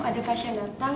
ada pasien datang